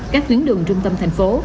các huyến đường trung tâm thành phố